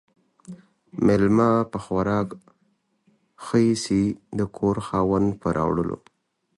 ميلمه په خوراک ِښه ايسي ، د کور خاوند ، په راوړلو.